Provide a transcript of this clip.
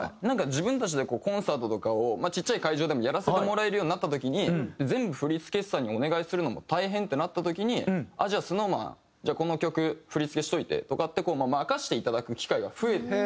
自分たちでコンサートとかをちっちゃい会場でもやらせてもらえるようになった時に全部振付師さんにお願いするのも大変ってなった時に「じゃあＳｎｏｗＭａｎこの曲振付しといて」とかって任せていただく機会が増えて。